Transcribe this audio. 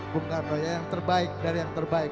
bukan saja yang terbaik dari yang terbaik